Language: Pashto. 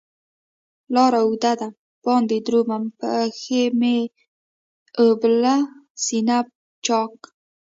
لار اوږده ده باندې درومم، پښي مې ابله سینه چاکه